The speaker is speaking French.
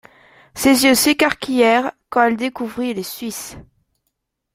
Ses yeux s'écarquillèrent quand elle découvrit les Suisses.